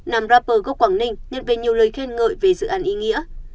nam rapur gốc quảng ninh nhận về nhiều lời khen ngợi về dự án ý nghĩa